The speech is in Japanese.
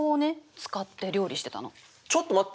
ちょっと待って。